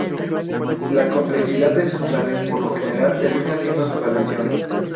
La complejidad de sus planes por lo general termina siendo su perdición.